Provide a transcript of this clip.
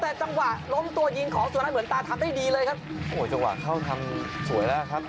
แต่จังหวะล้มตัวยิงของสุรัสเหมือนตาทำได้ดีเลยครับโอ้โหจังหวะเข้าทำสวยแล้วครับ